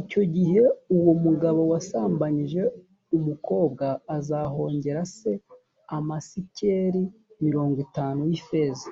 icyo gihe uwo mugabo wasambanyije umukobwa azahongera se amasikeli mirongo itanu y’ifeza